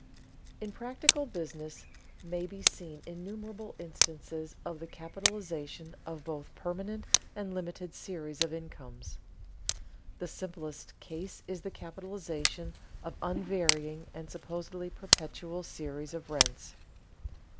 _In practical business may be seen innumerable instances of the capitalization of both permanent and limited series of incomes._ The simplest case is the capitalization of an unvarying and supposedly perpetual series of rents.